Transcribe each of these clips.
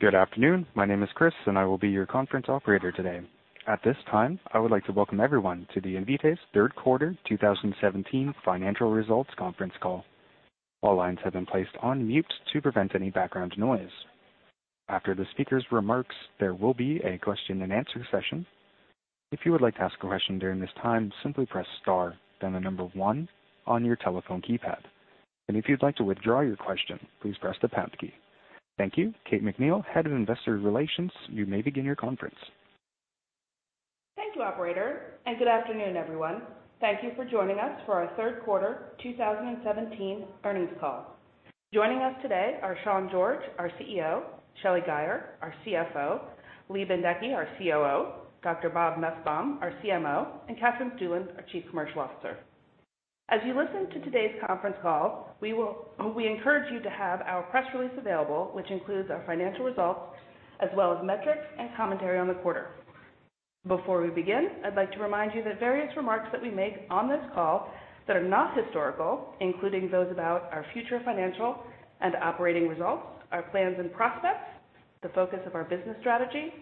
Good afternoon. My name is Chris, and I will be your conference operator today. At this time, I would like to welcome everyone to Invitae's Third Quarter 2017 financial results conference call. All lines have been placed on mute to prevent any background noise. After the speaker's remarks, there will be a question and answer session. If you would like to ask a question during this time, simply press star, then the number one on your telephone keypad. If you'd like to withdraw your question, please press the pound key. Thank you. Kate McNeil, head of investor relations, you may begin your conference. Thank you, operator, and good afternoon, everyone. Thank you for joining us for our Third Quarter 2017 earnings call. Joining us today are Sean George, our CEO, Shelly Guyer, our CFO, Lee Bendekgey, our COO, Dr. Bob Nussbaum, our CMO, and Katherine Stueland, our Chief Commercial Officer. As you listen to today's conference call, we encourage you to have our press release available, which includes our financial results as well as metrics and commentary on the quarter. Before we begin, I'd like to remind you that various remarks that we make on this call that are not historical, including those about our future financial and operating results, our plans and prospects, the focus of our business strategy,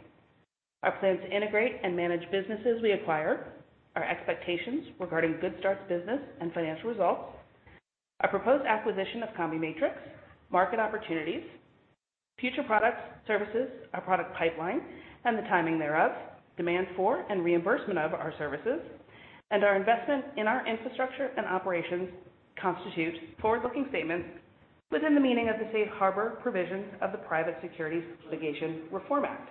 our plan to integrate and manage businesses we acquire, our expectations regarding Good Start's business and financial results, our proposed acquisition of CombiMatrix, market opportunities, future products, services, our product pipeline, and the timing thereof, demand for and reimbursement of our services, and our investment in our infrastructure and operations, constitute forward-looking statements within the meaning of the safe harbor provisions of the Private Securities Litigation Reform Act.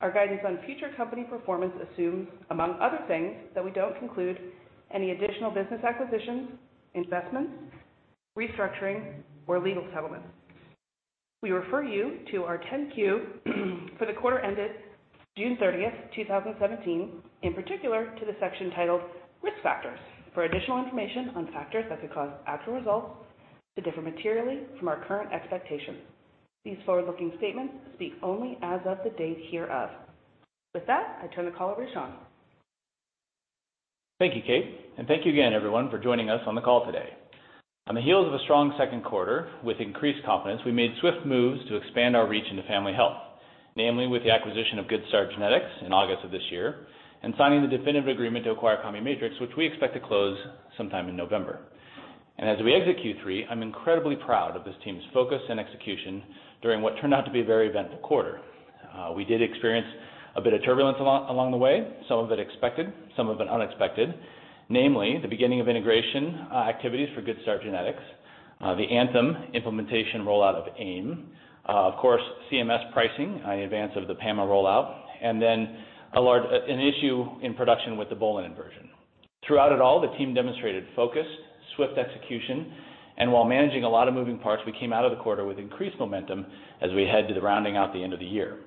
Our guidance on future company performance assumes, among other things, that we don't conclude any additional business acquisitions, investments, restructuring, or legal settlements. We refer you to our 10-Q for the quarter ended June 30, 2017, in particular to the section titled Risk Factors, for additional information on factors that could cause actual results to differ materially from our current expectations. These forward-looking statements speak only as of the date hereof. With that, I turn the call over to Sean. Thank you, Kate. Thank you again, everyone, for joining us on the call today. On the heels of a strong second quarter, with increased confidence, we made swift moves to expand our reach into family health, namely with the acquisition of Good Start Genetics in August of this year, and signing the definitive agreement to acquire CombiMatrix, which we expect to close sometime in November. As we exit Q3, I'm incredibly proud of this team's focus and execution during what turned out to be a very eventful quarter. We did experience a bit of turbulence along the way, some of it expected, some of it unexpected, namely the beginning of integration activities for Good Start Genetics, the Anthem implementation rollout of AIM, of course, CMS pricing in advance of the PAMA rollout, then an issue in production with the BRCA1 inversion. Throughout it all, the team demonstrated focus, swift execution, and while managing a lot of moving parts, we came out of the quarter with increased momentum as we head to the rounding out the end of the year.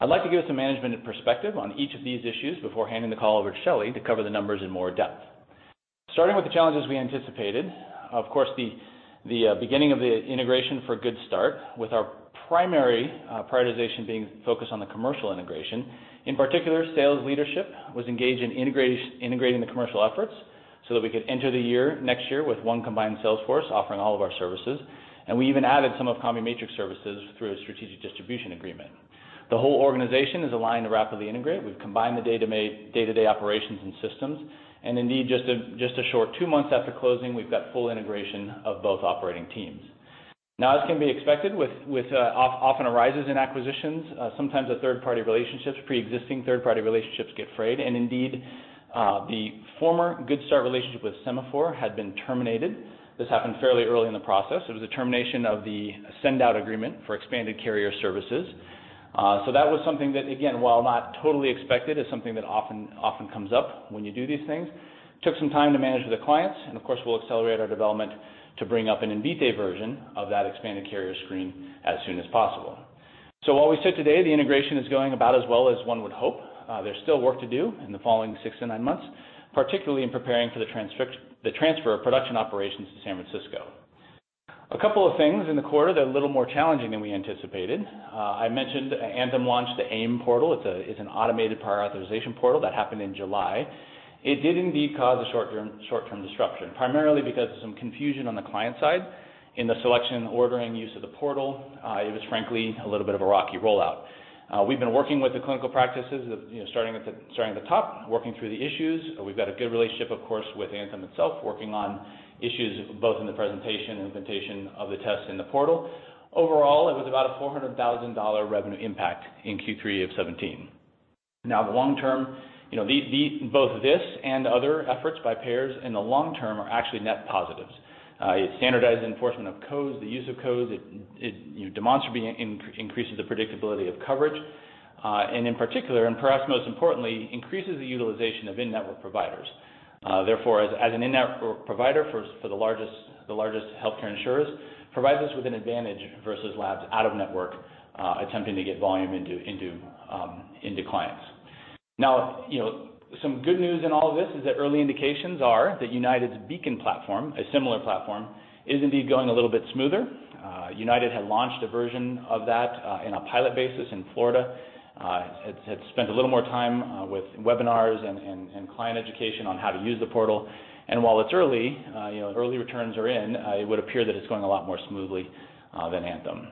I'd like to give some management perspective on each of these issues before handing the call over to Shelly to cover the numbers in more depth. Starting with the challenges we anticipated, of course, the beginning of the integration for Good Start, with our primary prioritization being focused on the commercial integration. In particular, sales leadership was engaged in integrating the commercial efforts so that we could enter the year next year with one combined sales force offering all of our services. We even added some of CombiMatrix services through a strategic distribution agreement. The whole organization is aligned to rapidly integrate. We've combined the day-to-day operations and systems, indeed, just a short two months after closing, we've got full integration of both operating teams. As can be expected, which often arises in acquisitions, sometimes the pre-existing third-party relationships get frayed, indeed, the former Good Start relationship with Sema4 had been terminated. This happened fairly early in the process. It was a termination of the send-out agreement for expanded carrier services. That was something that, again, while not totally expected, is something that often comes up when you do these things. Took some time to manage with the clients, and of course, we'll accelerate our development to bring up an Invitae version of that expanded carrier screen as soon as possible. While we sit today, the integration is going about as well as one would hope. There's still work to do in the following six to nine months, particularly in preparing for the transfer of production operations to San Francisco. A couple of things in the quarter that are a little more challenging than we anticipated. I mentioned Anthem launched the AIM portal. It's an automated prior authorization portal. That happened in July. It did indeed cause a short-term disruption, primarily because of some confusion on the client side in the selection, ordering, use of the portal. It was frankly, a little bit of a rocky rollout. We've been working with the clinical practices, starting at the top, working through the issues. We've got a good relationship, of course, with Anthem itself, working on issues both in the presentation and implementation of the test in the portal. Overall, it was about a $400,000 revenue impact in Q3 2017. The long-term, both this and other efforts by payers in the long term are actually net positives. It standardized enforcement of codes, the use of codes. It demonstrably increases the predictability of coverage. In particular, and perhaps most importantly, increases the utilization of in-network providers. Therefore, as an in-network provider for the largest healthcare insurers, provides us with an advantage versus labs out-of-network attempting to get volume into clients. Some good news in all of this is that early indications are that UnitedHealthcare's BeaconLBS platform, a similar platform, is indeed going a little bit smoother. UnitedHealthcare had launched a version of that in a pilot basis in Florida. It had spent a little more time with webinars and client education on how to use the portal. While it's early returns are in, it would appear that it's going a lot more smoothly than Anthem.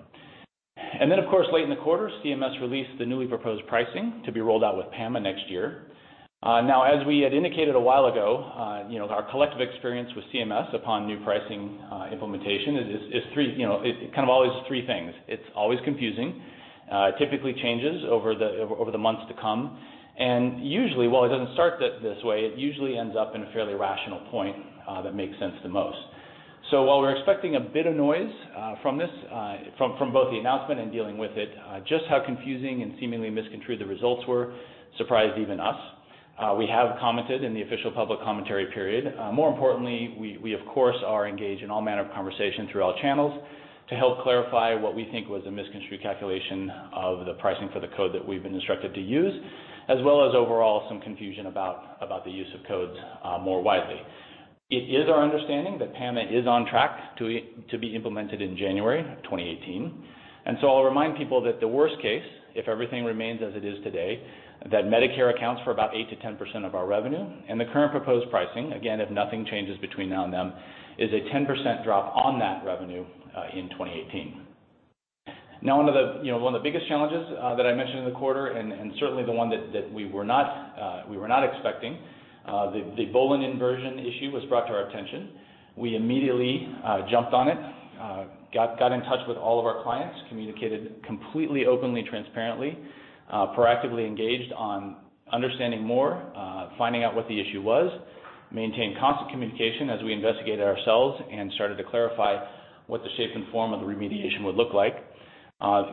Then, of course, late in the quarter, CMS released the newly proposed pricing to be rolled out with PAMA next year. As we had indicated a while ago, our collective experience with CMS upon new pricing implementation, it's kind of always three things. It's always confusing. It typically changes over the months to come. Usually, while it doesn't start this way, it usually ends up in a fairly rational point that makes sense the most. While we're expecting a bit of noise from both the announcement and dealing with it, just how confusing and seemingly misconstrued the results were surprised even us. We have commented in the official public commentary period. More importantly, we of course, are engaged in all manner of conversation through all channels to help clarify what we think was a misconstrued calculation of the pricing for the code that we've been instructed to use, as well as overall some confusion about the use of codes more widely. It is our understanding that PAMA is on track to be implemented in January 2018. So I'll remind people that the worst case, if everything remains as it is today, that Medicare accounts for about 8%-10% of our revenue, and the current proposed pricing, again, if nothing changes between now and then, is a 10% drop on that revenue in 2018. One of the biggest challenges that I mentioned in the quarter, and certainly the one that we were not expecting, the BRCA1 inversion issue was brought to our attention. We immediately jumped on it, got in touch with all of our clients, communicated completely openly, transparently, proactively engaged on understanding more, finding out what the issue was, maintained constant communication as we investigated it ourselves and started to clarify what the shape and form of the remediation would look like. I'd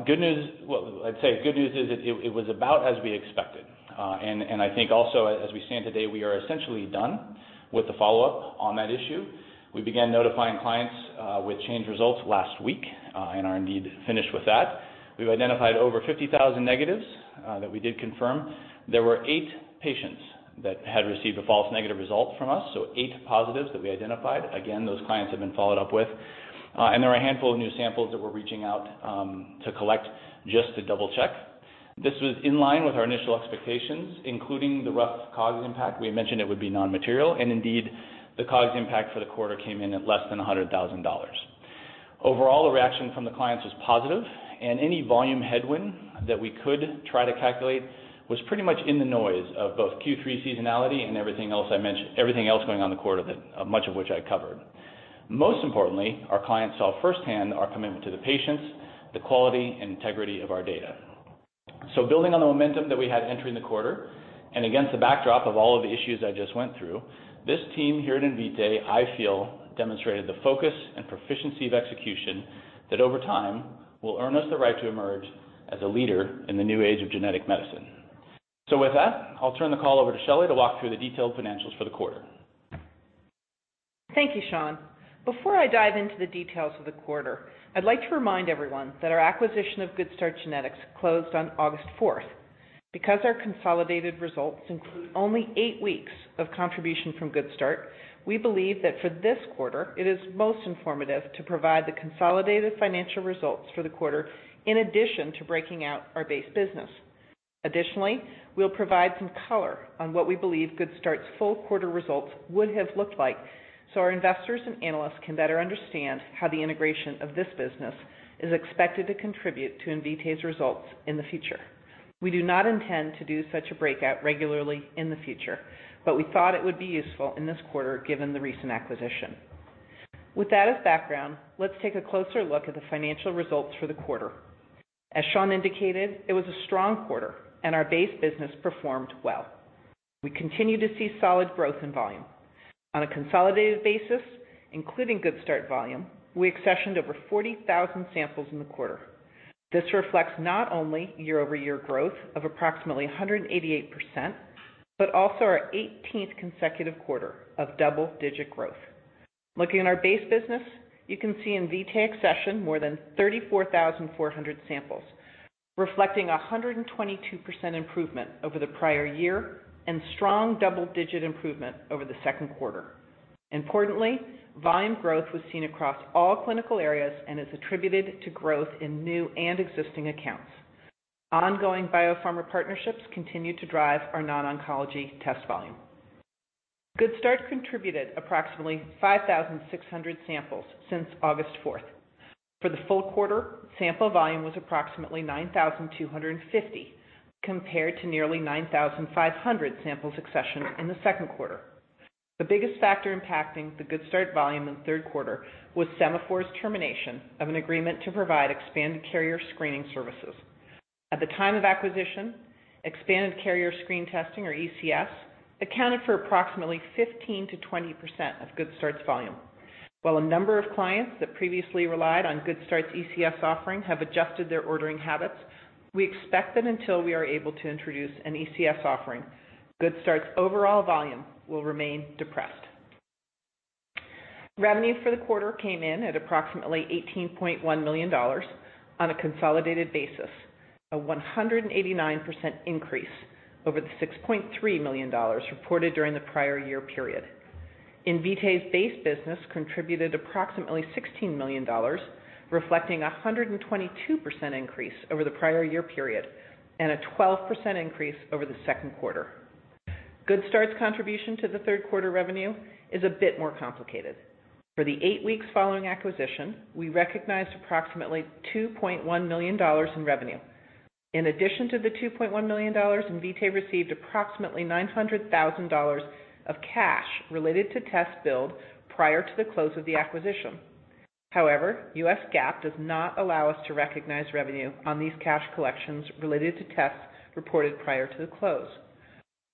say the good news is it was about as we expected. I think also as we stand today, we are essentially done with the follow-up on that issue. We began notifying clients with change results last week and are indeed finished with that. We've identified over 50,000 negatives that we did confirm. There were eight patients that had received a false negative result from us, so eight positives that we identified. Again, those clients have been followed up with. There are a handful of new samples that we're reaching out to collect just to double check. This was in line with our initial expectations, including the rough COGS impact. We had mentioned it would be non-material, indeed, the COGS impact for the quarter came in at less than $100,000. Overall, the reaction from the clients was positive, any volume headwind that we could try to calculate was pretty much in the noise of both Q3 seasonality and everything else going on in the quarter, much of which I covered. Most importantly, our clients saw firsthand our commitment to the patients, the quality and integrity of our data. Building on the momentum that we had entering the quarter, and against the backdrop of all of the issues I just went through, this team here at Invitae, I feel, demonstrated the focus and proficiency of execution that over time will earn us the right to emerge as a leader in the new age of genetic medicine. With that, I'll turn the call over to Shelly to walk through the detailed financials for the quarter. Thank you, Sean. Before I dive into the details of the quarter, I'd like to remind everyone that our acquisition of Good Start Genetics closed on August 4th. Because our consolidated results include only eight weeks of contribution from Good Start, we believe that for this quarter, it is most informative to provide the consolidated financial results for the quarter in addition to breaking out our base business. Additionally, we'll provide some color on what we believe Good Start's full quarter results would have looked like so our investors and analysts can better understand how the integration of this business is expected to contribute to Invitae's results in the future. We do not intend to do such a breakout regularly in the future, we thought it would be useful in this quarter given the recent acquisition. With that as background, let's take a closer look at the financial results for the quarter. As Sean indicated, it was a strong quarter and our base business performed well. We continue to see solid growth in volume. On a consolidated basis, including Good Start volume, we accessioned over 40,000 samples in the quarter. This reflects not only year-over-year growth of approximately 188%, but also our 18th consecutive quarter of double-digit growth. Looking at our base business, you can see Invitae accession more than 34,400 samples, reflecting 122% improvement over the prior year and strong double-digit improvement over the second quarter. Importantly, volume growth was seen across all clinical areas and is attributed to growth in new and existing accounts. Ongoing biopharma partnerships continued to drive our non-oncology test volume. Good Start contributed approximately 5,600 samples since August 4th. For the full quarter, sample volume was approximately 9,250 compared to nearly 9,500 samples accessioned in the second quarter. The biggest factor impacting the Good Start volume in the third quarter was Sema4's termination of an agreement to provide expanded carrier screening services. At the time of acquisition, expanded carrier screen testing, or ECS, accounted for approximately 15%-20% of Good Start's volume. While a number of clients that previously relied on Good Start's ECS offering have adjusted their ordering habits, we expect that until we are able to introduce an ECS offering, Good Start's overall volume will remain depressed. Revenue for the quarter came in at approximately $18.1 million on a consolidated basis, a 189% increase over the $6.3 million reported during the prior year period. Invitae's base business contributed approximately $16 million, reflecting 122% increase over the prior year period and a 12% increase over the second quarter. Good Start's contribution to the third quarter revenue is a bit more complicated. For the eight weeks following acquisition, we recognized approximately $2.1 million in revenue. In addition to the $2.1 million, Invitae received approximately $900,000 of cash related to tests billed prior to the close of the acquisition. However, U.S. GAAP does not allow us to recognize revenue on these cash collections related to tests reported prior to the close.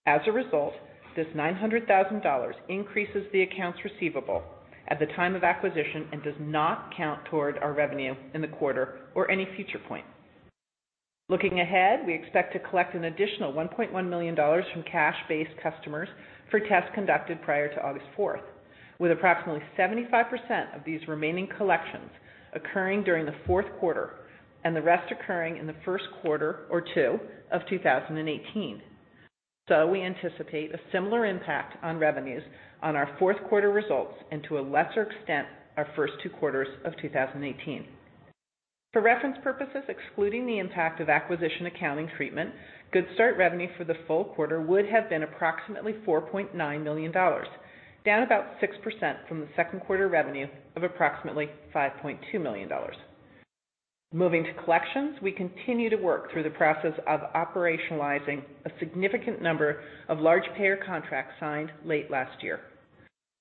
As a result, this $900,000 increases the accounts receivable at the time of acquisition and does not count toward our revenue in the quarter or any future point. Looking ahead, we expect to collect an additional $1.1 million from cash-based customers for tests conducted prior to August 4th, with approximately 75% of these remaining collections occurring during the fourth quarter and the rest occurring in the first quarter or two of 2018. We anticipate a similar impact on revenues on our fourth quarter results and, to a lesser extent, our first two quarters of 2018. For reference purposes, excluding the impact of acquisition accounting treatment, Good Start revenue for the full quarter would have been approximately $4.9 million, down about 6% from the second quarter revenue of approximately $5.2 million. Moving to collections, we continue to work through the process of operationalizing a significant number of large payer contracts signed late last year.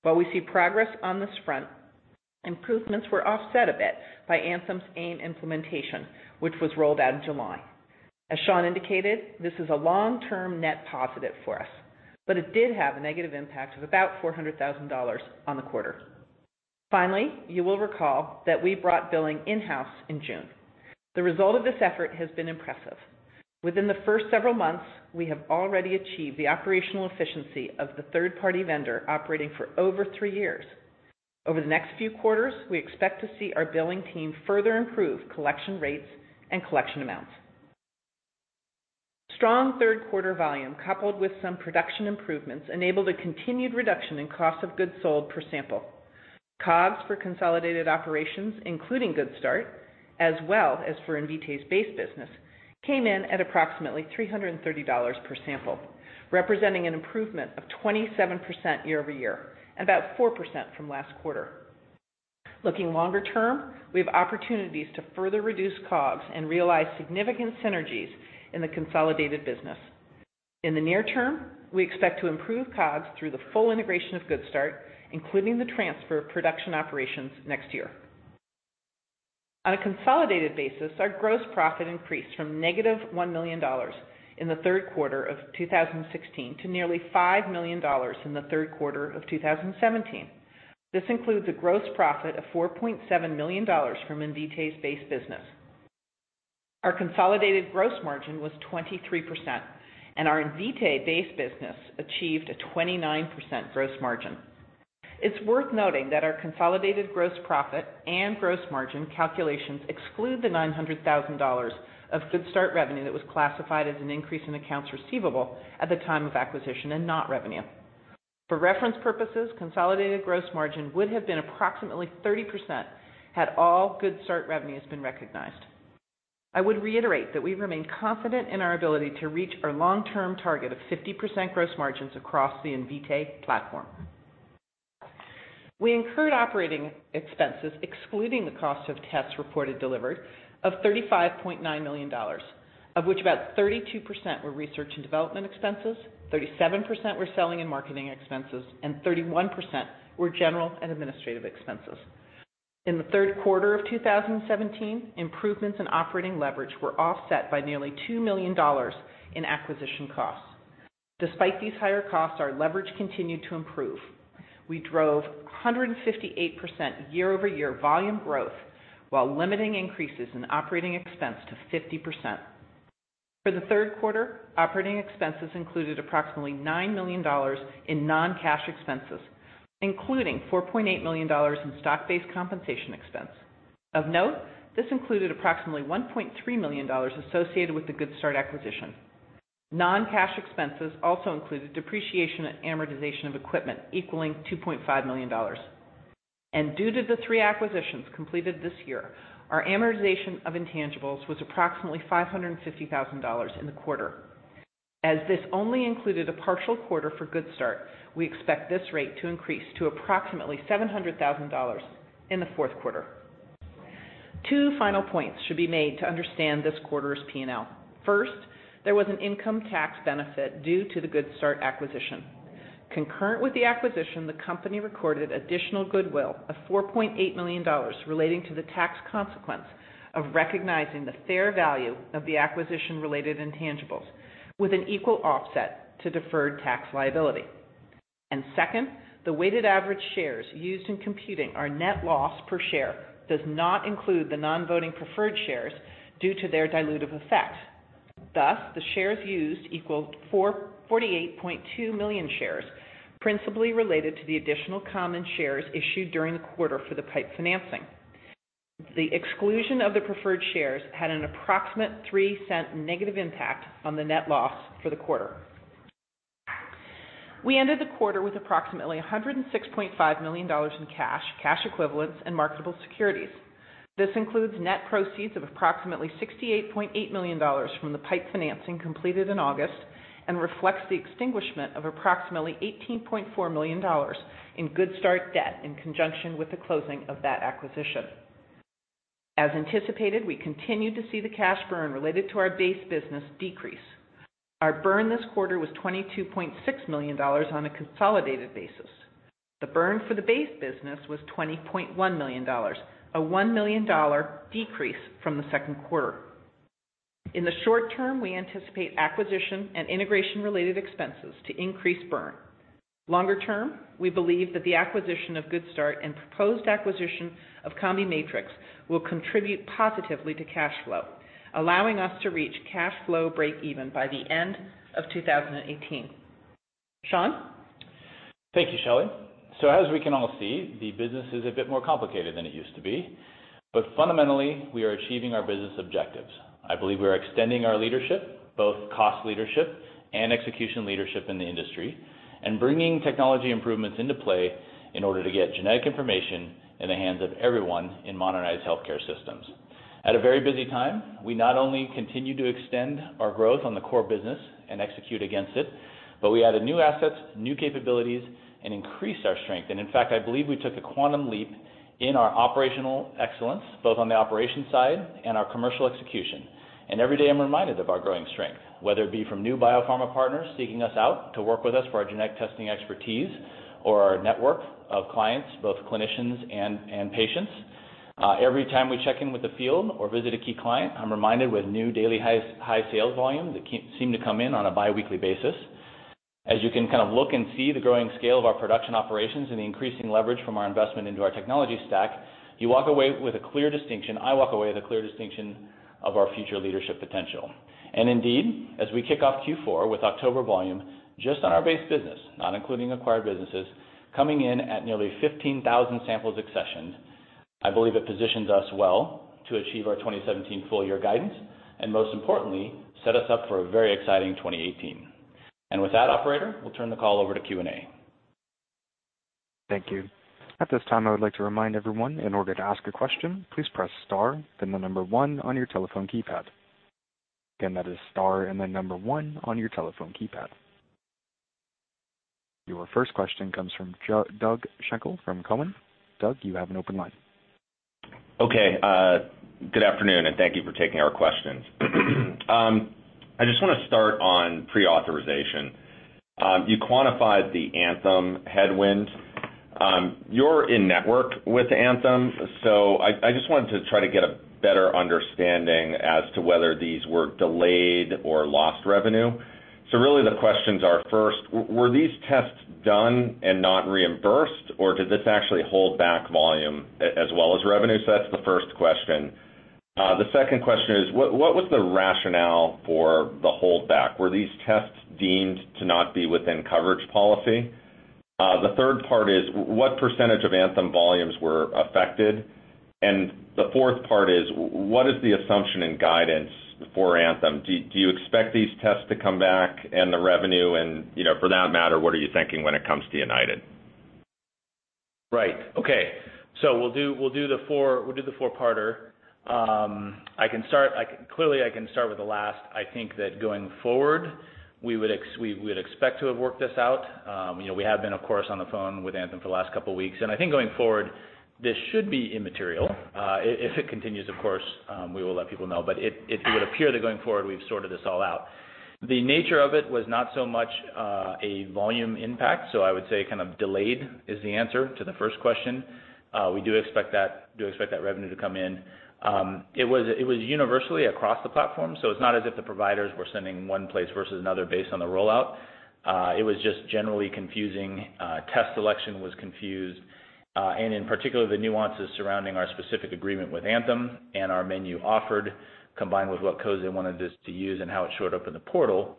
While we see progress on this front, improvements were offset a bit by Anthem's AIM implementation, which was rolled out in July. As Sean indicated, this is a long-term net positive for us, but it did have a negative impact of about $400,000 on the quarter. Finally, you will recall that we brought billing in-house in June. The result of this effort has been impressive. Within the first several months, we have already achieved the operational efficiency of the third-party vendor operating for over three years. Over the next few quarters, we expect to see our billing team further improve collection rates and collection amounts. Strong third quarter volume, coupled with some production improvements, enabled a continued reduction in cost of goods sold per sample. COGS for consolidated operations, including Good Start, as well as for Invitae's base business, came in at approximately $330 per sample, representing an improvement of 27% year-over-year and about 4% from last quarter. Looking longer term, we have opportunities to further reduce COGS and realize significant synergies in the consolidated business. In the near term, we expect to improve COGS through the full integration of Good Start, including the transfer of production operations next year. On a consolidated basis, our gross profit increased from negative $1 million in the third quarter of 2016 to nearly $5 million in the third quarter of 2017. This includes a gross profit of $4.7 million from Invitae's base business. Our consolidated gross margin was 23%, and our Invitae base business achieved a 29% gross margin. It's worth noting that our consolidated gross profit and gross margin calculations exclude the $900,000 of Good Start revenue that was classified as an increase in accounts receivable at the time of acquisition and not revenue. For reference purposes, consolidated gross margin would have been approximately 30% had all Good Start revenues been recognized. I would reiterate that we remain confident in our ability to reach our long-term target of 50% gross margins across the Invitae platform. We incurred operating expenses, excluding the cost of tests reported delivered, of $35.9 million, of which about 32% were research and development expenses, 37% were selling and marketing expenses, and 31% were general and administrative expenses. In the third quarter of 2017, improvements in operating leverage were offset by nearly $2 million in acquisition costs. Despite these higher costs, our leverage continued to improve. We drove 158% year-over-year volume growth while limiting increases in operating expense to 50%. For the third quarter, operating expenses included approximately $9 million in non-cash expenses, including $4.8 million in stock-based compensation expense. Of note, this included approximately $1.3 million associated with the Good Start acquisition. Non-cash expenses also included depreciation and amortization of equipment equaling $2.5 million. Due to the three acquisitions completed this year, our amortization of intangibles was approximately $550,000 in the quarter. As this only included a partial quarter for Good Start, we expect this rate to increase to approximately $700,000 in the fourth quarter. Two final points should be made to understand this quarter's P&L. First, there was an income tax benefit due to the Good Start acquisition. Concurrent with the acquisition, the company recorded additional goodwill of $4.8 million relating to the tax consequence of recognizing the fair value of the acquisition-related intangibles with an equal offset to deferred tax liability. Second, the weighted average shares used in computing our net loss per share does not include the non-voting preferred shares due to their dilutive effect. Thus, the shares used equal 48.2 million shares, principally related to the additional common shares issued during the quarter for the PIPE financing. The exclusion of the preferred shares had an approximate $0.03 negative impact on the net loss for the quarter. We ended the quarter with approximately $106.5 million in cash equivalents, and marketable securities. This includes net proceeds of approximately $68.8 million from the PIPE financing completed in August and reflects the extinguishment of approximately $18.4 million in Good Start debt in conjunction with the closing of that acquisition. As anticipated, we continued to see the cash burn related to our base business decrease. Our burn this quarter was $22.6 million on a consolidated basis. The burn for the base business was $20.1 million, a $1 million decrease from the second quarter. In the short term, we anticipate acquisition and integration related expenses to increase burn. Longer term, we believe that the acquisition of Good Start and proposed acquisition of CombiMatrix will contribute positively to cash flow, allowing us to reach cash flow breakeven by the end of 2018. Sean? Thank you, Shelly. As we can all see, the business is a bit more complicated than it used to be, but fundamentally, we are achieving our business objectives. I believe we are extending our leadership, both cost leadership and execution leadership in the industry, and bringing technology improvements into play in order to get genetic information in the hands of everyone in modernized healthcare systems. At a very busy time, we not only continue to extend our growth on the core business and execute against it, but we added new assets, new capabilities, and increased our strength. In fact, I believe we took a quantum leap in our operational excellence, both on the operations side and our commercial execution. Every day I'm reminded of our growing strength, whether it be from new biopharma partners seeking us out to work with us for our genetic testing expertise or our network of clients, both clinicians and patients. Every time we check in with the field or visit a key client, I'm reminded with new daily high sales volume that seem to come in on a biweekly basis. As you can kind of look and see the growing scale of our production operations and the increasing leverage from our investment into our technology stack, you walk away with a clear distinction, I walk away with a clear distinction of our future leadership potential. Indeed, as we kick off Q4 with October volume, just on our base business, not including acquired businesses, coming in at nearly 15,000 samples accessioned, I believe it positions us well to achieve our 2017 full year guidance, and most importantly, set us up for a very exciting 2018. With that, operator, we'll turn the call over to Q&A. Thank you. At this time, I would like to remind everyone, in order to ask a question, please press star, then the number one on your telephone keypad. Again, that is star and then number one on your telephone keypad. Your first question comes from Doug Schenkel from Cowen. Doug, you have an open line. Good afternoon, and thank you for taking our questions. I just want to start on pre-authorization. You quantified the Anthem headwind. You're in network with Anthem, I just wanted to try to get a better understanding as to whether these were delayed or lost revenue. Really the questions are, first, were these tests done and not reimbursed, or did this actually hold back volume as well as revenue? That's the first question. The second question is, what was the rationale for the holdback? Were these tests deemed to not be within coverage policy? The third part is, what % of Anthem volumes were affected? The fourth part is, what is the assumption and guidance for Anthem? Do you expect these tests to come back and the revenue and, for that matter, what are you thinking when it comes to United? Right. Okay. We'll do the four-parter. Clearly, I can start with the last. I think that going forward, we would expect to have worked this out. We have been, of course, on the phone with Anthem for the last couple of weeks, I think going forward, this should be immaterial. If it continues, of course, we will let people know. It would appear that going forward, we've sorted this all out. The nature of it was not so much a volume impact, I would say kind of delayed is the answer to the first question. We do expect that revenue to come in. It was universally across the platform, it's not as if the providers were sending one place versus another based on the rollout. It was just generally confusing. Test selection was confused, and in particular, the nuances surrounding our specific agreement with Anthem and our menu offered, combined with what codes they wanted us to use and how it showed up in the portal.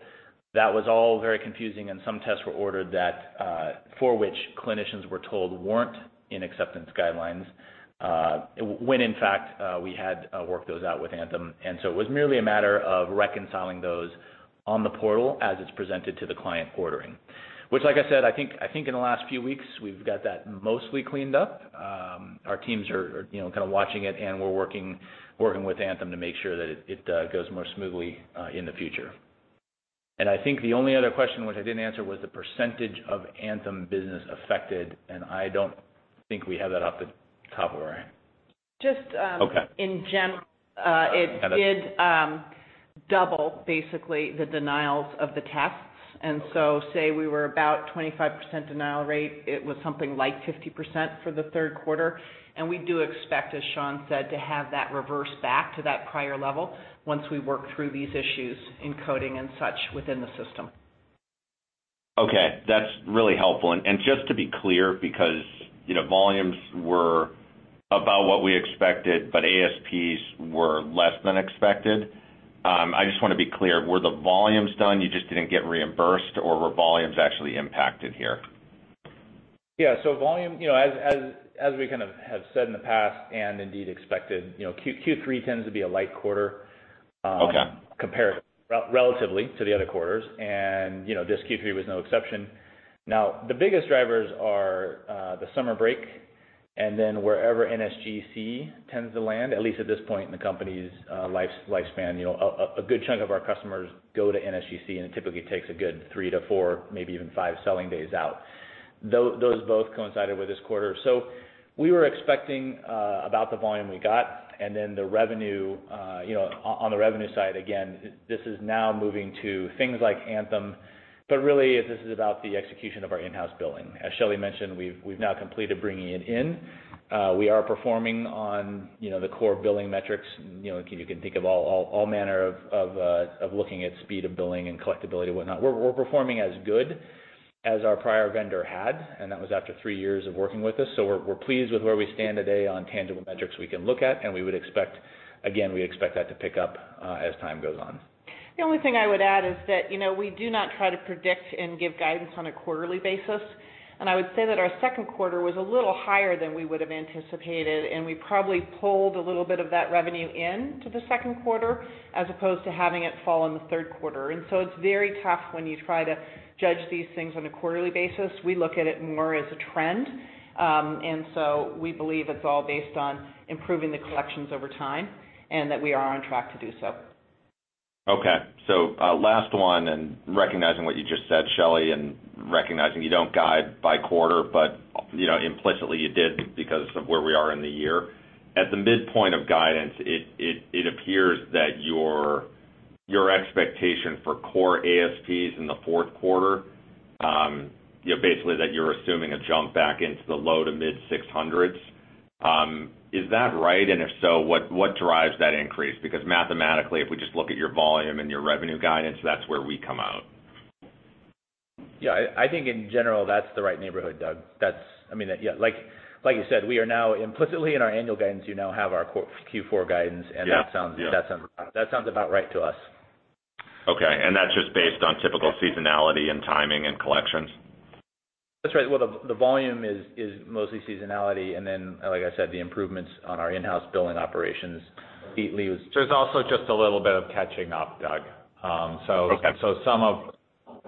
That was all very confusing, and some tests were ordered that for which clinicians were told weren't in acceptance guidelines, when in fact, we had worked those out with Anthem. It was merely a matter of reconciling those on the portal as it's presented to the client ordering. Which, like I said, I think in the last few weeks, we've got that mostly cleaned up. Our teams are kind of watching it, and we're working with Anthem to make sure that it goes more smoothly in the future. I think the only other question, which I didn't answer, was the percentage of Anthem business affected, and I don't think we have that off the top of our head. Just- Okay In general, it did double basically the denials of the tests, so say we were about 25% denial rate, it was something like 50% for the third quarter. We do expect, as Sean said, to have that reverse back to that prior level once we work through these issues in coding and such within the system. Okay, that's really helpful. Just to be clear, because volumes were about what we expected, but ASPs were less than expected. I just want to be clear, were the volumes done, you just didn't get reimbursed, or were volumes actually impacted here? Yeah. Volume, as we have said in the past and indeed expected, Q3 tends to be a light quarter. Okay relatively to the other quarters, this Q3 was no exception. The biggest drivers are the summer break and then wherever NSGC tends to land, at least at this point in the company's lifespan. A good chunk of our customers go to NSGC, and it typically takes a good three to four, maybe even five selling days out. Those both coincided with this quarter. We were expecting about the volume we got and then on the revenue side, again, this is now moving to things like Anthem, but really this is about the execution of our in-house billing. As Shelly mentioned, we've now completed bringing it in. We are performing on the core billing metrics. You can think of all manner of looking at speed of billing and collectability and whatnot. We're performing as good as our prior vendor had, that was after three years of working with us. We're pleased with where we stand today on tangible metrics we can look at, and again, we expect that to pick up as time goes on. The only thing I would add is that we do not try to predict and give guidance on a quarterly basis, I would say that our second quarter was a little higher than we would have anticipated, and we probably pulled a little bit of that revenue into the second quarter as opposed to having it fall in the third quarter. It's very tough when you try to judge these things on a quarterly basis. We look at it more as a trend. We believe it's all based on improving the collections over time and that we are on track to do so. Last one, and recognizing what you just said, Shelly, and recognizing you don't guide by quarter, but implicitly you did because of where we are in the year. At the midpoint of guidance, it appears that your expectation for core ASPs in the fourth quarter, basically that you're assuming a jump back into the low to mid 600s. Is that right? If so, what drives that increase? Mathematically, if we just look at your volume and your revenue guidance, that's where we come out. Yeah. I think in general, that's the right neighborhood, Doug. Like you said, we are now implicitly in our annual guidance, have our Q4 guidance, and that sounds about right to us. Okay. That's just based on typical seasonality and timing and collections? That's right. Well, the volume is mostly seasonality, and then, like I said, the improvements on our in-house billing operations There's also just a little bit of catching up, Doug. Okay.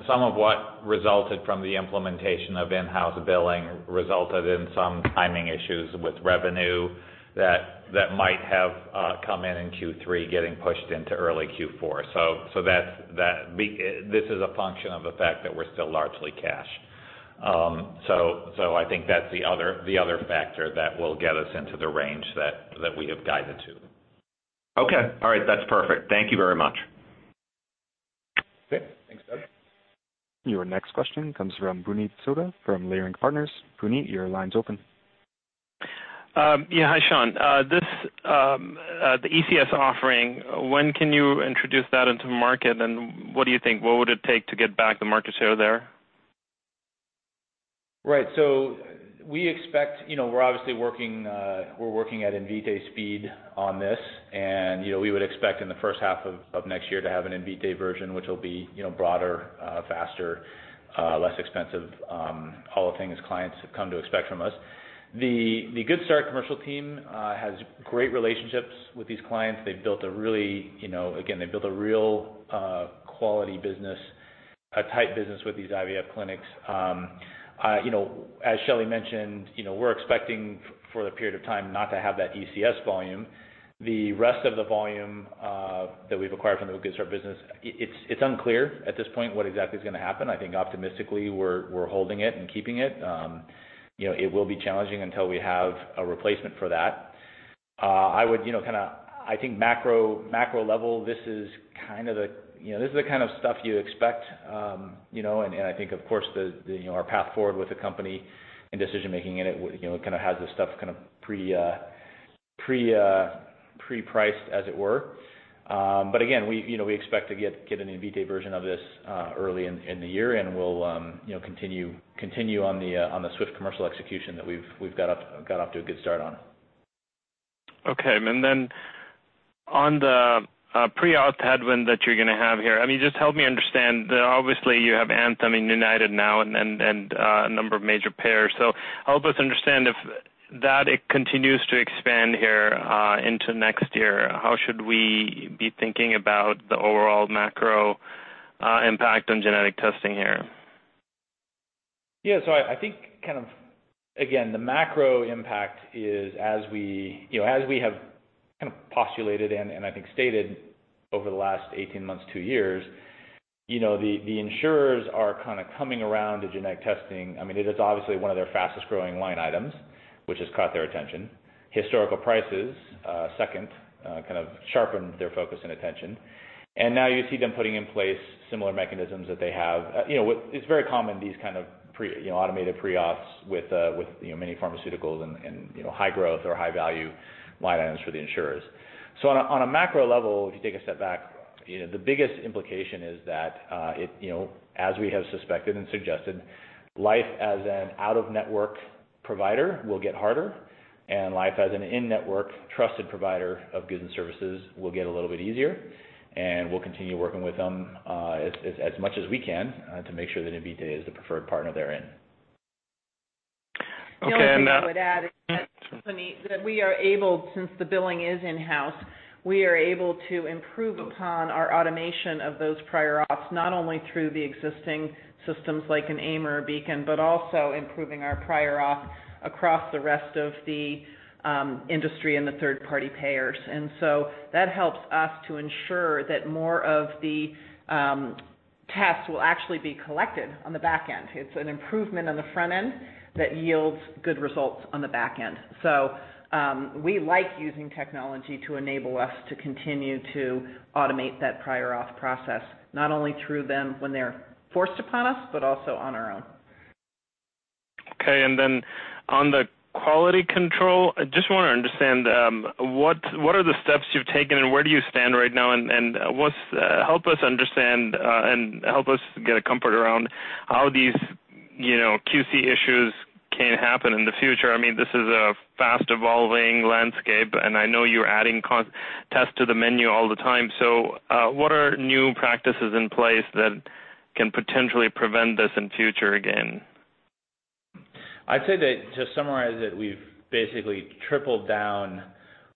Some of what resulted from the implementation of in-house billing resulted in some timing issues with revenue that might have come in in Q3 getting pushed into early Q4. This is a function of the fact that we're still largely cash. I think that's the other factor that will get us into the range that we have guided to. Okay. All right. That's perfect. Thank you very much. Okay. Thanks, Doug. Your next question comes from Puneet Souda from Leerink Partners. Puneet, your line's open. Yeah. Hi, Sean. The ECS offering, when can you introduce that into the market, and what do you think would it take to get back the market share there? Right. We're obviously working at Invitae speed on this, and we would expect in the first half of next year to have an Invitae version, which will be broader, faster, less expensive, all the things clients have come to expect from us. The Good Start commercial team has great relationships with these clients. Again, they've built a real quality business, a tight business with these IVF clinics. As Shelly mentioned, we're expecting for the period of time not to have that ECS volume. The rest of the volume that we've acquired from the Good Start business, it's unclear at this point what exactly is going to happen. I think optimistically, we're holding it and keeping it. It will be challenging until we have a replacement for that. I think macro level, this is the kind of stuff you expect, and I think, of course, our path forward with the company and decision-making in it has this stuff pre-priced, as it were. Again, we expect to get an Invitae version of this early in the year, and we'll continue on the swift commercial execution that we've got off to a good start on. Okay. Then on the pre-auth headwind that you're going to have here, just help me understand, obviously you have Anthem and United now and a number of major pairs. Help us understand if that continues to expand here into next year, how should we be thinking about the overall macro impact on genetic testing here? Yeah. I think, again, the macro impact is as we have postulated and I think stated over the last 18 months, 2 years, the insurers are coming around to genetic testing. It is obviously one of their fastest-growing line items, which has caught their attention. Historical prices, second, sharpened their focus and attention. Now you see them putting in place similar mechanisms that they have. It's very common, these kind of automated prior auths with many pharmaceuticals and high growth or high value line items for the insurers. On a macro level, if you take a step back, the biggest implication is that, as we have suspected and suggested, life as an out-of-network provider will get harder, and life as an in-network trusted provider of goods and services will get a little bit easier. We'll continue working with them as much as we can to make sure that Invitae is the preferred partner they're in. Okay, and- The only thing I would add is that, Puneet, that since the billing is in-house, we are able to improve upon our automation of those prior auths, not only through the existing systems like an AIM or a Beacon, but also improving our prior auth across the rest of the industry and the third-party payers. That helps us to ensure that more of the tasks will actually be collected on the back end. It's an improvement on the front end that yields good results on the back end. We like using technology to enable us to continue to automate that prior auth process, not only through them when they're forced upon us, but also on our own. Okay. On the quality control, I just want to understand what are the steps you've taken and where do you stand right now? Help us understand, and help us get a comfort around how these QC issues can happen in the future. This is a fast-evolving landscape, and I know you're adding tests to the menu all the time. What are new practices in place that can potentially prevent this in future again? I'd say that to summarize it, we've basically tripled down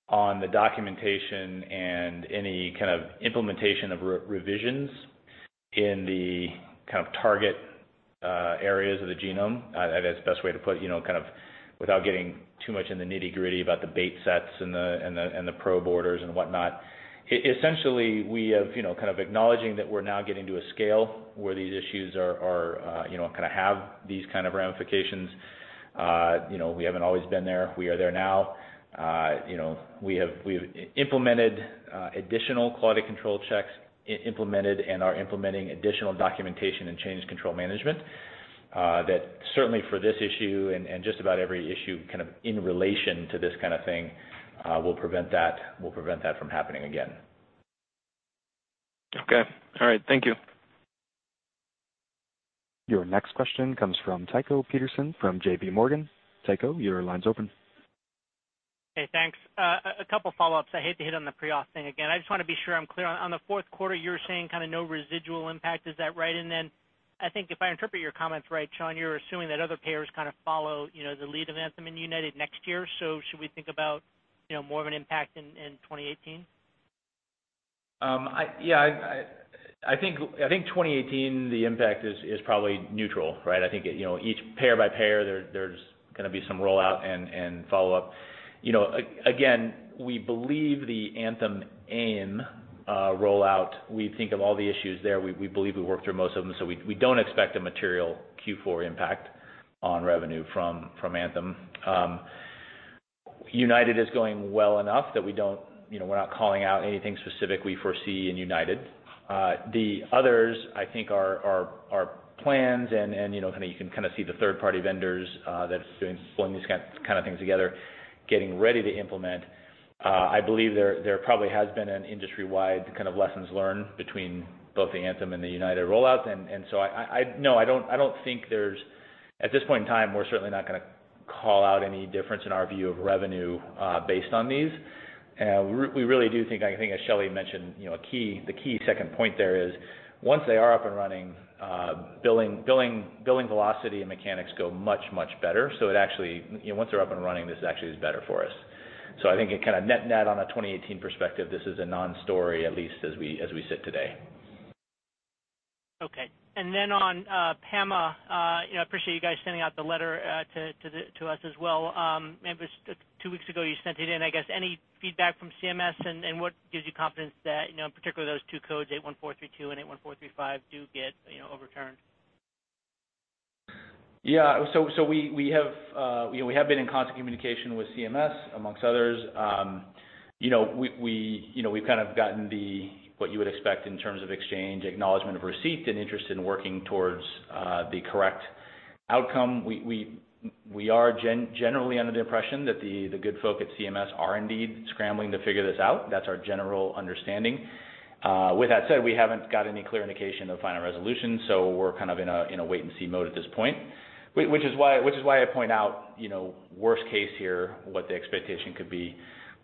on the documentation and any kind of implementation of revisions in the target areas of the genome. That's the best way to put it, without getting too much in the nitty-gritty about the bait sets and the probe orders and whatnot. Essentially, we have acknowledged that we're now getting to a scale where these issues have these kind of ramifications. We haven't always been there. We are there now. We've implemented additional quality control checks, implemented and are implementing additional documentation and change control management, that certainly for this issue and just about every issue in relation to this kind of thing, will prevent that from happening again. Okay. All right. Thank you. Your next question comes from Tycho Peterson from J.P. Morgan. Tycho, your line's open. Thanks. A couple follow-ups. I hate to hit on the prior auth thing again. I just want to be sure I'm clear. On the fourth quarter, you were saying no residual impact, is that right? I think if I interpret your comments right, Sean, you're assuming that other payers follow the lead of Anthem and United next year. Should we think about more of an impact in 2018? Yeah. I think 2018, the impact is probably neutral, right? I think, payer by payer, there's going to be some rollout and follow-up. Again, we believe the Anthem AIM rollout, we think of all the issues there, we believe we worked through most of them, so we don't expect a material Q4 impact on revenue from Anthem. United is going well enough that we're not calling out anything specific we foresee in United. The others, I think are plans, and you can see the third-party vendors that's pulling these kind of things together, getting ready to implement. I believe there probably has been an industry-wide lessons learned between both the Anthem and the United rollouts. No, I don't think at this point in time, we're certainly not going to call out any difference in our view of revenue based on these. We really do think, I think as Shelly mentioned, the key second point there is once they are up and running, billing velocity and mechanics go much, much better. It actually, once they're up and running, this actually is better for us. I think it net on a 2018 perspective, this is a non-story, at least as we sit today. Okay. On PAMA, I appreciate you guys sending out the letter to us as well. I remember two weeks ago you sent it in, I guess. Any feedback from CMS and what gives you confidence that, in particular those two codes, 81432 and 81435, do get overturned? Yeah. We have been in constant communication with CMS, amongst others. We've gotten what you would expect in terms of exchange, acknowledgement of receipt and interest in working towards the correct outcome. We are generally under the impression that the good folk at CMS are indeed scrambling to figure this out. That's our general understanding. With that said, we haven't got any clear indication of final resolution, we're in a wait-and-see mode at this point. Which is why I point out worst case here, what the expectation could be.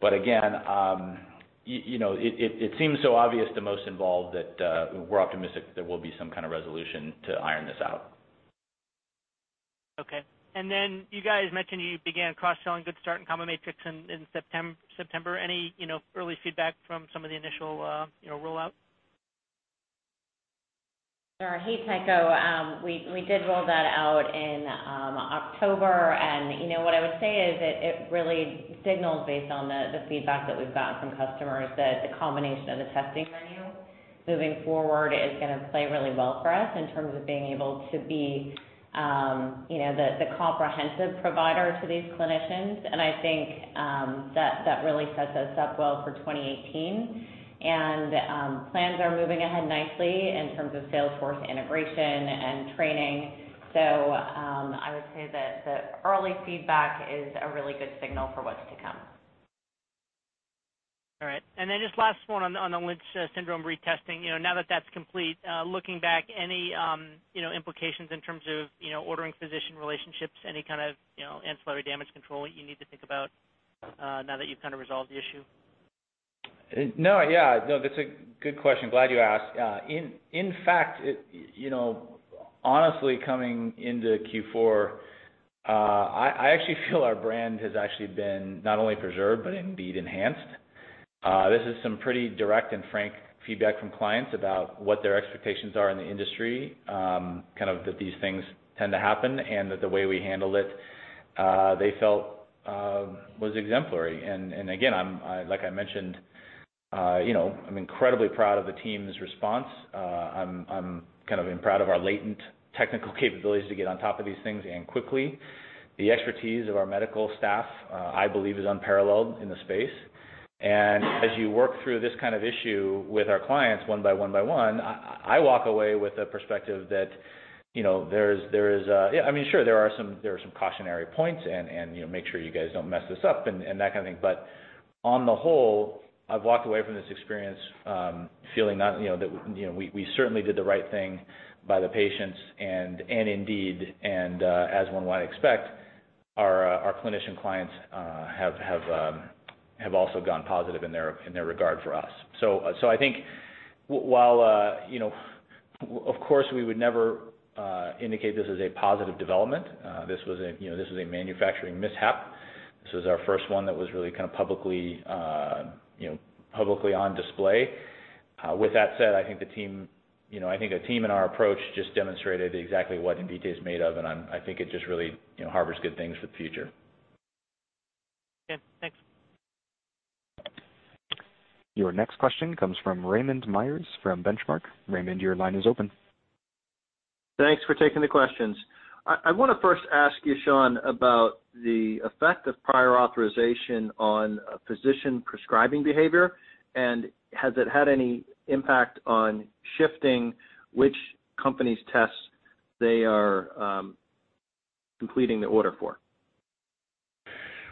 Again, it seems so obvious to most involved that we're optimistic there will be some kind of resolution to iron this out. Okay. You guys mentioned you began cross-selling Good Start and CombiMatrix in September. Any early feedback from some of the initial rollout? Sure. Hey, Tycho. We did roll that out in October. What I would say is that it really signals, based on the feedback that we've gotten from customers, that the combination of the testing menu moving forward is going to play really well for us in terms of being able to be the comprehensive provider to these clinicians. I think that really sets us up well for 2018. Plans are moving ahead nicely in terms of sales force integration and training. I would say that the early feedback is a really good signal for what's to come. All right. Just last one on the Lynch syndrome retesting. Now that that's complete, looking back, any implications in terms of ordering physician relationships, any kind of ancillary damage control that you need to think about now that you've kind of resolved the issue? That's a good question. Glad you asked. In fact, honestly, coming into Q4, I actually feel our brand has actually been not only preserved, but indeed enhanced. This is some pretty direct and frank feedback from clients about what their expectations are in the industry, that these things tend to happen, and that the way we handled it, they felt was exemplary. Again, like I mentioned, I'm incredibly proud of the team's response. I'm proud of our latent technical capabilities to get on top of these things and quickly. The expertise of our medical staff, I believe is unparalleled in the space. As you work through this kind of issue with our clients one by one by one, I walk away with a perspective that there is, I mean, sure, there are some cautionary points and, "Make sure you guys don't mess this up," and that kind of thing. On the whole, I've walked away from this experience feeling that we certainly did the right thing by the patients and indeed, and as one might expect, our clinician clients have also gone positive in their regard for us. I think while of course we would never indicate this as a positive development, this was a manufacturing mishap. This was our first one that was really publicly on display. With that said, I think the team and our approach just demonstrated exactly what Invitae is made of, and I think it just really harbors good things for the future. Okay, thanks. Your next question comes from Raymond Myers from Benchmark. Raymond, your line is open. Thanks for taking the questions. I want to first ask you, Sean, about the effect of prior authorization on physician prescribing behavior. Has it had any impact on shifting which company's tests they are completing the order for?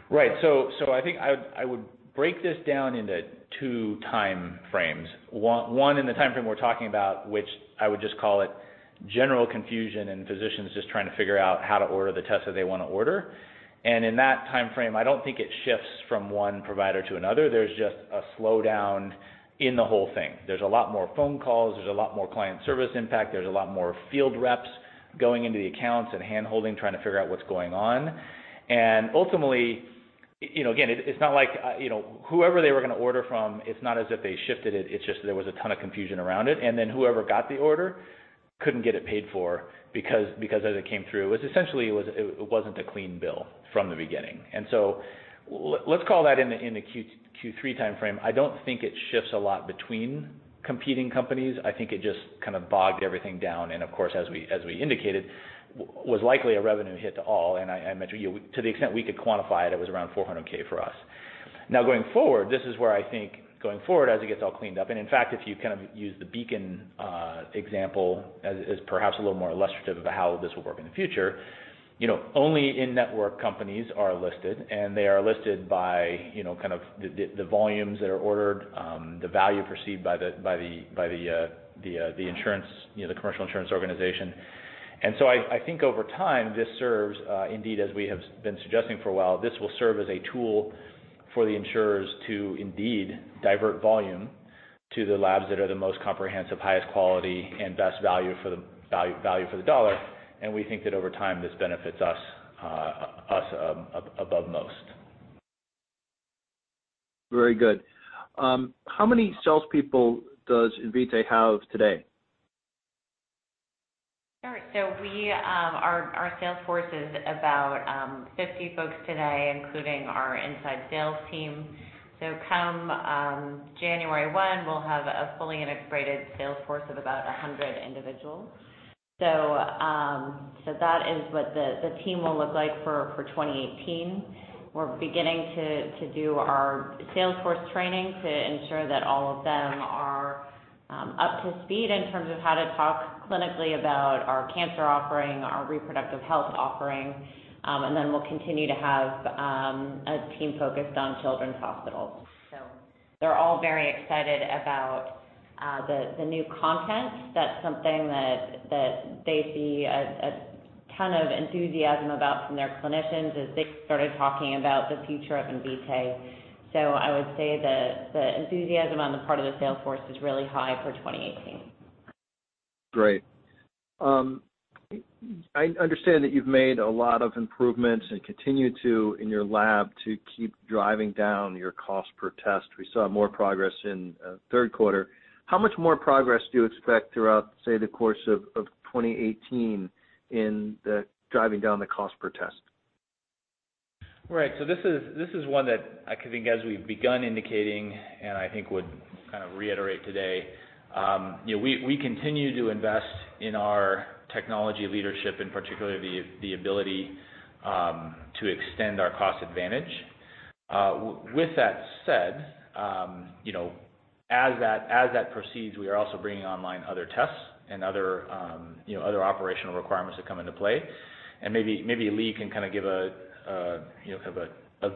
Right. I think I would break this down into two time frames. One, in the time frame we're talking about, which I would just call it general confusion and physicians just trying to figure out how to order the test that they want to order. In that time frame, I don't think it shifts from one provider to another. There's just a slowdown in the whole thing. There's a lot more phone calls. There's a lot more client service impact. There's a lot more field reps going into the accounts and hand-holding, trying to figure out what's going on. Ultimately, again, it's not like whoever they were going to order from, it's not as if they shifted it. It's just there was a ton of confusion around it. Whoever got the order couldn't get it paid for because as it came through, it was essentially, it wasn't a clean bill from the beginning. Let's call that in the Q3 time frame. I don't think it shifts a lot between competing companies. I think it just kind of bogged everything down and, of course, as we indicated, was likely a revenue hit to all. I mentioned to the extent we could quantify it was around $400K for us. Now going forward, this is where I think going forward as it gets all cleaned up, and in fact, if you kind of use the BeaconLBS example as perhaps a little more illustrative of how this will work in the future, only in-network companies are listed, and they are listed by the volumes that are ordered, the value perceived by the commercial insurance organization. I think over time, this serves indeed, as we have been suggesting for a while, this will serve as a tool for the insurers to indeed divert volume to the labs that are the most comprehensive, highest quality, and best value for the dollar. We think that over time, this benefits us above most. Very good. How many salespeople does Invitae have today? All right. Our sales force is about 50 folks today, including our inside sales team. Come January 1, we'll have a fully integrated sales force of about 100 individuals. That is what the team will look like for 2018. We're beginning to do our sales force training to ensure that all of them are up to speed in terms of how to talk clinically about our cancer offering, our reproductive health offering, and then we'll continue to have a team focused on children's hospitals. They're all very excited about the new content. That's something that they see a ton of enthusiasm about from their clinicians as they started talking about the future of Invitae. I would say the enthusiasm on the part of the sales force is really high for 2018. Great. I understand that you've made a lot of improvements and continue to in your lab to keep driving down your cost per test. We saw more progress in third quarter. How much more progress do you expect throughout, say, the course of 2018 in driving down the cost per test? Right. This is one that I could think as we've begun indicating and I think would kind of reiterate today, we continue to invest in our technology leadership, in particular, the ability to extend our cost advantage. With that said. As that proceeds, we are also bringing online other tests and other operational requirements that come into play. Maybe Lee can give a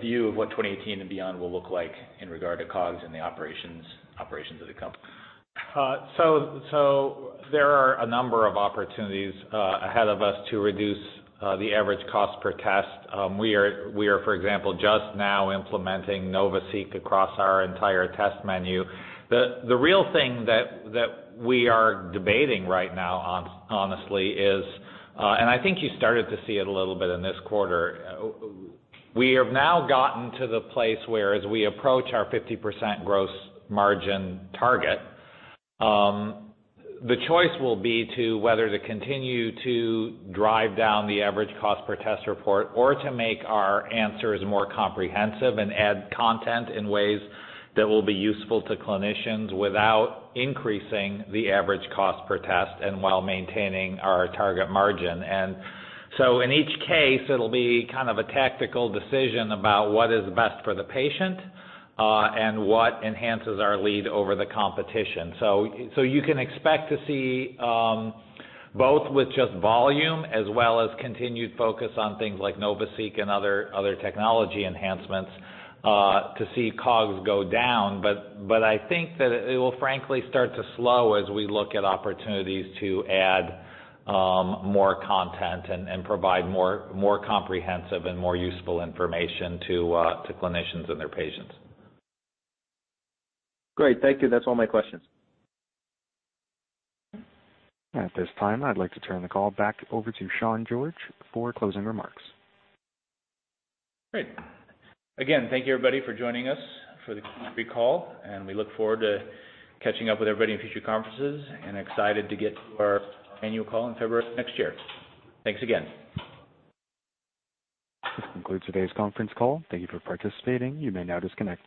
view of what 2018 and beyond will look like in regard to COGS and the operations of the company. There are a number of opportunities ahead of us to reduce the average cost per test. We are, for example, just now implementing NovaSeq across our entire test menu. The real thing that we are debating right now, honestly, is, I think you started to see it a little bit in this quarter, we have now gotten to the place where as we approach our 50% gross margin target, the choice will be to whether to continue to drive down the average cost per test report or to make our answers more comprehensive and add content in ways that will be useful to clinicians without increasing the average cost per test and while maintaining our target margin. In each case, it'll be a tactical decision about what is best for the patient, and what enhances our lead over the competition. You can expect to see, both with just volume as well as continued focus on things like NovaSeq and other technology enhancements, to see COGS go down. I think that it will frankly start to slow as we look at opportunities to add more content and provide more comprehensive and more useful information to clinicians and their patients. Great. Thank you. That's all my questions. At this time, I'd like to turn the call back over to Sean George for closing remarks. Great. Thank you, everybody, for joining us for the call. We look forward to catching up with everybody in future conferences. Excited to get to our annual call in February next year. Thanks again. This concludes today's conference call. Thank you for participating. You may now disconnect.